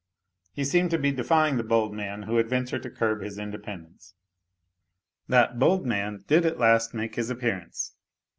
He seemed to be defying the bold man who would venture to curb his independence. That bold man did at last make his appearance.